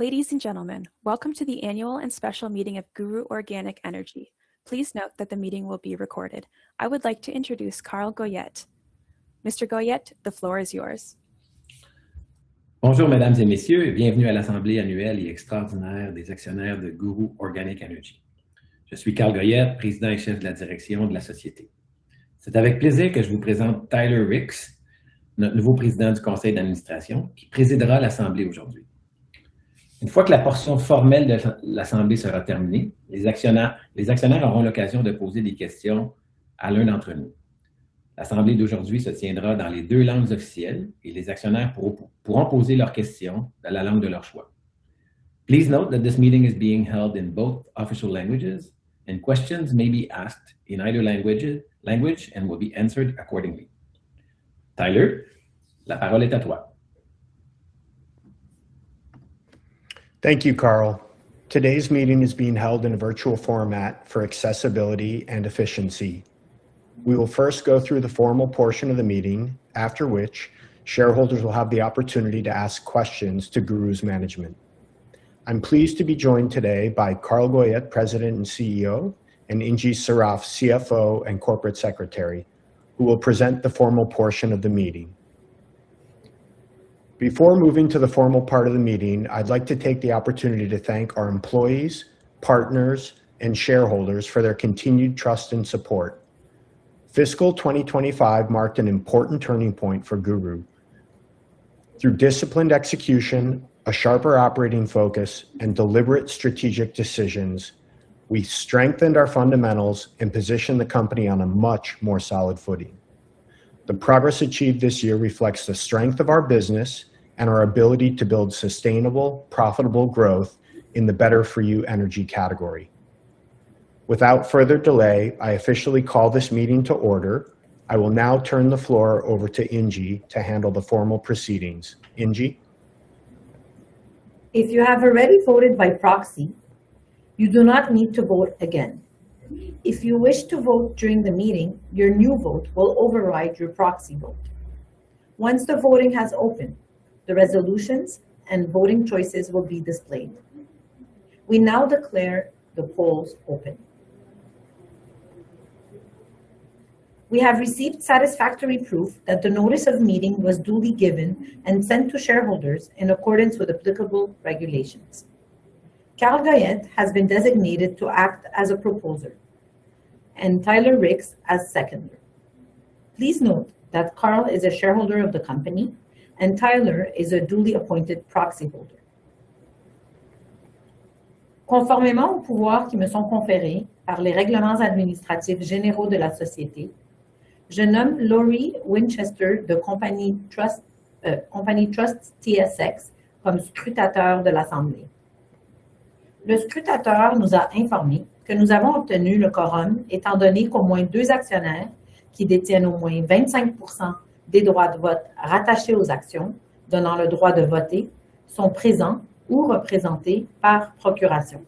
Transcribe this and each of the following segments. Ladies and gentlemen, welcome to the Annual and Special Meeting of GURU Organic Energy. Please note that the meeting will be recorded. I would like to introduce Carl Goyette. Mr. Goyette, the floor is yours. Bonjour mesdames et messieurs et bienvenue à l'assemblée annuelle et extraordinaire des actionnaires de GURU Organic Energy. Je suis Carl Goyette, président et chef de la direction de la société. C'est avec plaisir que je vous présente Tyler Ricks, notre nouveau président du conseil d'administration, qui présidera l'assemblée aujourd'hui. Une fois que la portion formelle de l'assemblée sera terminée, les actionnaires auront l'occasion de poser des questions à l'un d'entre nous. L'assemblée d'aujourd'hui se tiendra dans les deux langues officielles et les actionnaires pourront poser leurs questions dans la langue de leur choix. Please note that this meeting is being held in both official languages, and questions may be asked in either language and will be answered accordingly. Tyler, la parole est à toi. Thank you, Carl. Today's meeting is being held in a virtual format for accessibility and efficiency. We will first go through the formal portion of the meeting, after which shareholders will have the opportunity to ask questions to GURU's management. I'm pleased to be joined today by Carl Goyette, President and CEO, and Ingy Sarraf, CFO and Corporate Secretary, who will present the formal portion of the meeting. Before moving to the formal part of the meeting, I'd like to take the opportunity to thank our employees, partners, and shareholders for their continued trust and support. Fiscal 2025 marked an important turning point for GURU. Through disciplined execution, a sharper operating focus, and deliberate strategic decisions, we strengthened our fundamentals and positioned the company on a much more solid footing. The progress achieved this year reflects the strength of our business and our ability to build sustainable, profitable growth in the better-for-you energy category. Without further delay, I officially call this meeting to order. I will now turn the floor over to Ingy to handle the formal proceedings. Ingy. If you have already voted by proxy, you do not need to vote again. If you wish to vote during the meeting, your new vote will override your proxy vote. Once the voting has opened, the resolutions and voting choices will be displayed. We now declare the polls open. We have received satisfactory proof that the notice of meeting was duly given and sent to shareholders in accordance with applicable regulations. Carl Goyette has been designated to act as a proposer and Tyler Ricks as seconder. Please note that Carl is a shareholder of the company and Tyler is a duly appointed proxy holder. Conformément aux pouvoirs qui me sont conférés par les règlements administratifs généraux de la société, je nomme Lori Winchester de Computershare Trust Company of Canada comme scrutateur de l'assemblée. Le scrutateur nous a informés que nous avons obtenu le quorum étant donné qu'au moins two actionnaires qui détiennent au moins 25% des droits de vote rattachés aux actions donnant le droit de voter sont présents ou représentés par procuration.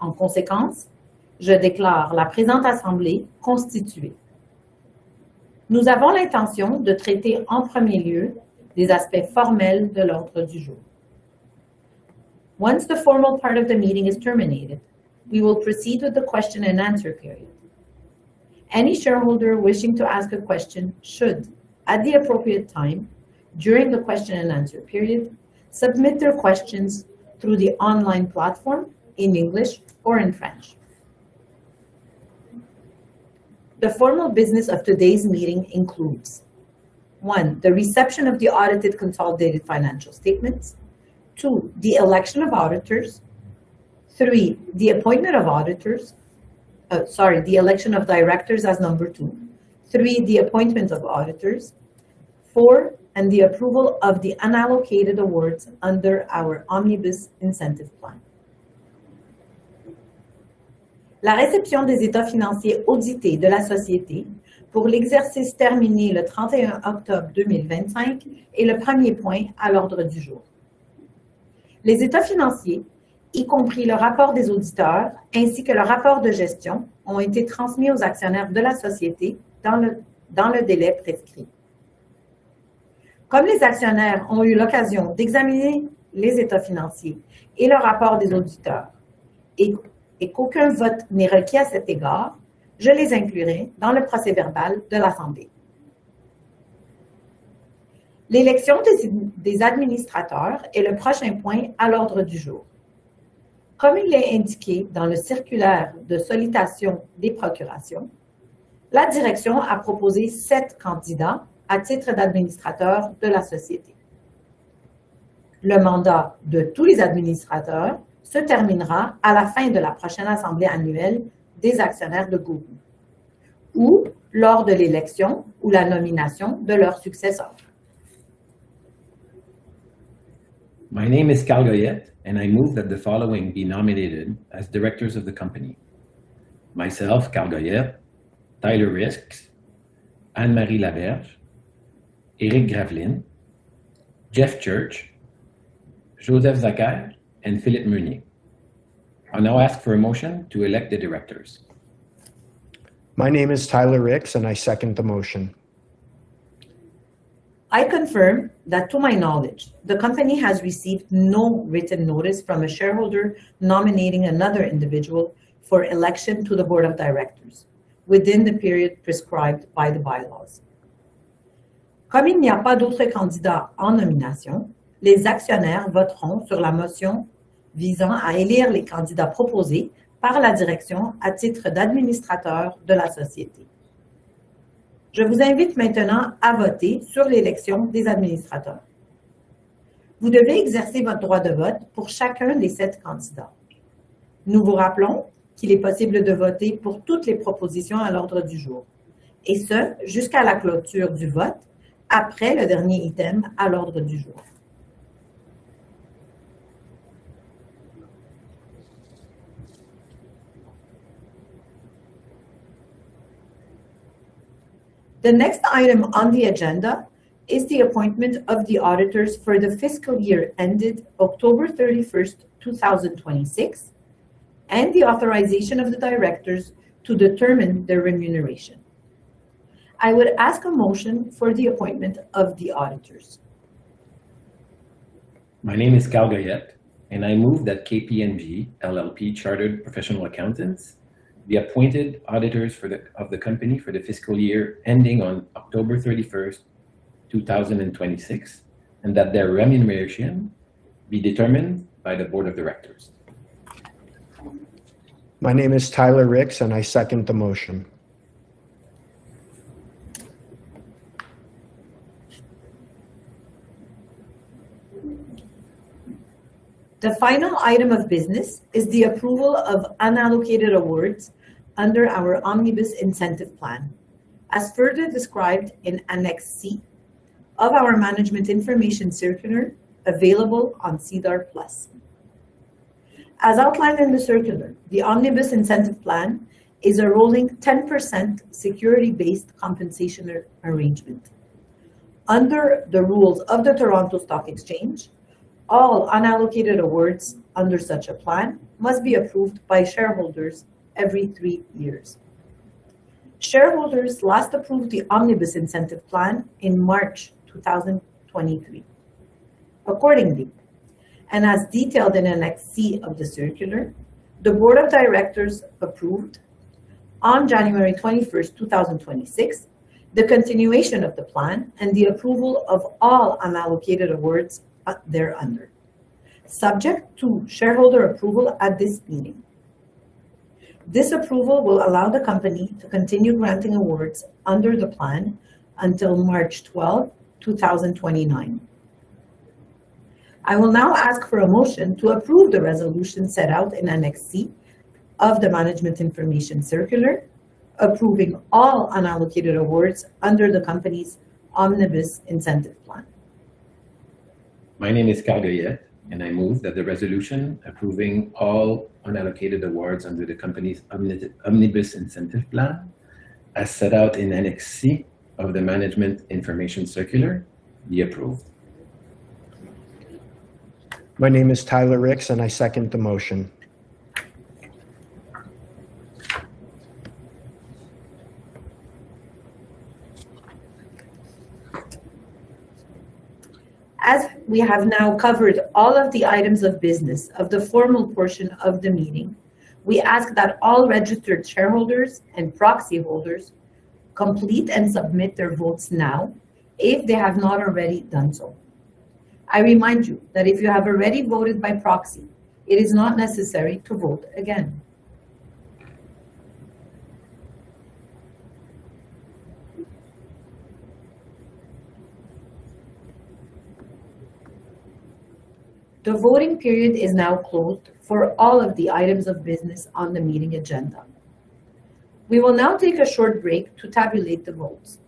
En conséquence, je déclare la présente assemblée constituée. Nous avons l'intention de traiter en premier lieu les aspects formels de l'ordre du jour. Once the formal part of the meeting is terminated, we will proceed with the question and answer period. Any shareholder wishing to ask a question should, at the appropriate time during the question and answer period, submit their questions through the online platform in English or in French. The formal business of today's meeting includes one, the reception of the audited consolidated financial statements. Two, the election of auditors. Three, the appointment of auditors. Sorry, the election of directors as number two. Three, the appointment of auditors. Four, the approval of the unallocated awards under our Omnibus Incentive Plan. La réception des états financiers audités de la société pour l'exercice terminé le 31 octobre 2025 est le premier point à l'ordre du jour. Les états financiers, y compris le rapport des auditeurs ainsi que le rapport de gestion, ont été transmis aux actionnaires de la société dans le délai prescrit. Comme les actionnaires ont eu l'occasion d'examiner les états financiers et le rapport des auditeurs et qu'aucun vote n'est requis à cet égard, je les inclurai dans le procès-verbal de l'assemblée. L'élection des administrateurs est le prochain point à l'ordre du jour. Comme il est indiqué dans la circulaire de sollicitation des procurations, la direction a proposé 7 candidats à titre d'administrateurs de la société. Le mandat de tous les administrateurs se terminera à la fin de la prochaine assemblée annuelle des actionnaires de GURU ou lors de l'élection ou la nomination de leur successeur. My name is Carl Goyette, and I move that the following be nominated as directors of the company, myself, Carl Goyette, Tyler Ricks, Anne-Marie Laberge, Eric Graveline, Jeff Church, Joseph Zakher, and Philippe Meunier. I now ask for a motion to elect the directors. My name is Tyler Ricks, and I second the motion. I confirm that to my knowledge, the company has received no written notice from a shareholder nominating another individual for election to the board of directors within the period prescribed by the bylaws. The next item on the agenda is the appointment of the auditors for the fiscal year ended October thirty-first, two thousand twenty-six, and the authorization of the directors to determine their remuneration. I would ask a motion for the appointment of the auditors. My name is Carl Goyette, and I move that KPMG LLP, Chartered Professional Accountants, the appointed auditors of the company for the fiscal year ending on October 31, 2026, and that their remuneration be determined by the board of directors. My name is Tyler Ricks, and I second the motion. The final item of business is the approval of unallocated awards under our Omnibus Incentive Plan, as further described in Annex C of our management information circular available on SEDAR Plus. As outlined in the circular, the Omnibus Incentive Plan is a rolling 10% security-based compensation arrangement. Under the rules of the Toronto Stock Exchange, all unallocated awards under such a plan must be approved by shareholders every three years. Shareholders last approved the Omnibus Incentive Plan in March 2023. Accordingly, and as detailed in Annex C of the circular, the board of directors approved on January 21st, 2026, the continuation of the plan and the approval of all unallocated awards thereunder, subject to shareholder approval at this meeting. This approval will allow the company to continue granting awards under the plan until March 12, 2029. I will now ask for a motion to approve the resolution set out in Annex C of the management information circular, approving all unallocated awards under the company's Omnibus Incentive Plan. My name is Carl Goyette, and I move that the resolution approving all unallocated awards under the company's Omnibus Incentive Plan, as set out in Annex C of the management information circular, be approved. My name is Tyler Ricks, and I second the motion. As we have now covered all of the items of business of the formal portion of the meeting, we ask that all registered shareholders and proxy holders complete and submit their votes now if they have not already done so. I remind you that if you have already voted by proxy, it is not necessary to vote again. The voting period is now closed for all of the items of business on the meeting agenda. We will now take a short break to tabulate the votes.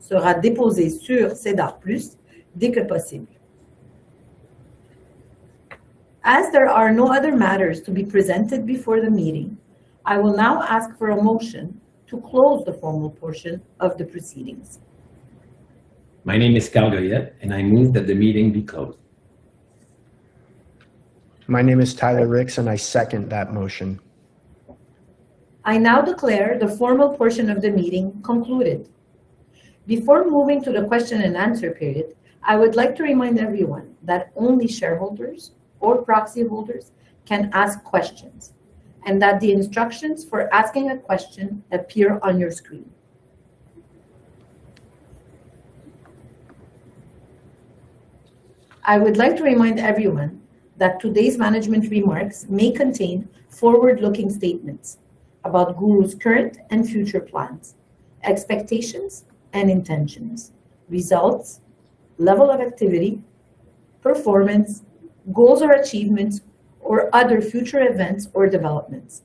As there are no other matters to be presented before the meeting, I will now ask for a motion to close the formal portion of the proceedings. My name is Carl Goyette, and I move that the meeting be closed. My name is Tyler Ricks, and I second that motion. I now declare the formal portion of the meeting concluded. Before moving to the question and answer period, I would like to remind everyone that only shareholders or proxy holders can ask questions, and that the instructions for asking a question appear on your screen. I would like to remind everyone that today's management remarks may contain forward-looking statements about GURU's current and future plans, expectations and intentions, results, level of activity, performance, goals or achievements, or other future events or developments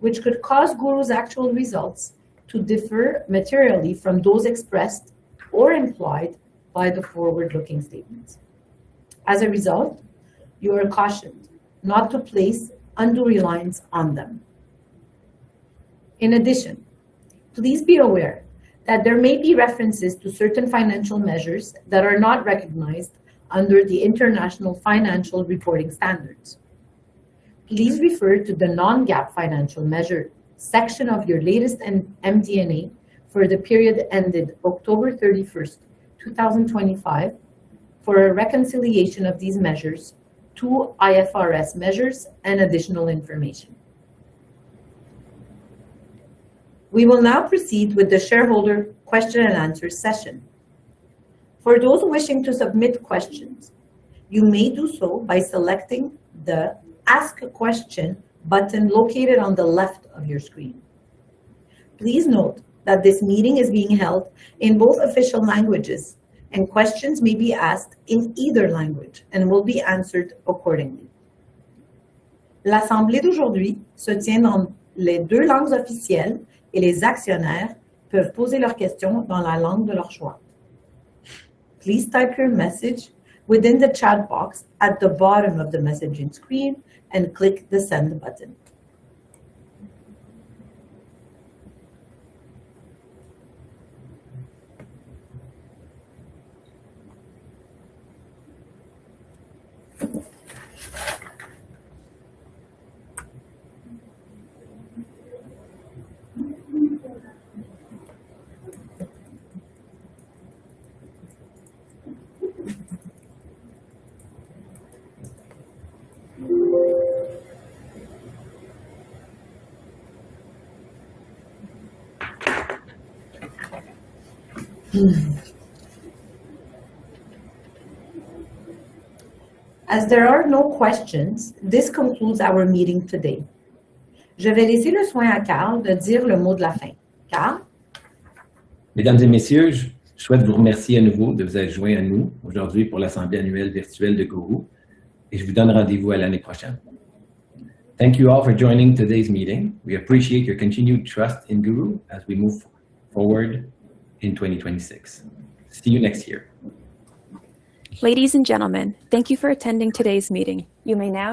which could cause GURU's actual results to differ materially from those expressed or implied by the forward-looking statements. As a result, you are cautioned not to place undue reliance on them. In addition, please be aware that there may be references to certain financial measures that are not recognized under the International Financial Reporting Standards. Please refer to the non-GAAP financial measure section of your latest MD&A for the period ended October 31, 2025 for a reconciliation of these measures to IFRS measures and additional information. We will now proceed with the shareholder question and answer session. For those wishing to submit questions, you may do so by selecting the Ask a Question button located on the left of your screen. Please note that this meeting is being held in both official languages, and questions may be asked in either language and will be answered accordingly. Please type your message within the chat box at the bottom of the messaging screen and click the Send button. As there are no questions, this concludes our meeting today. Thank you all for joining today's meeting. We appreciate your continued trust in Guru as we move forward in 2026. See you next year. Ladies and gentlemen, thank you for attending today's meeting. You may now disconnect.